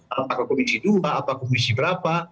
apakah komisi dua atau komisi berapa